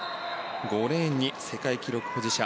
５レーンに世界記録保持者